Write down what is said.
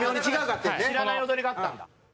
知らない踊りがあったんだ。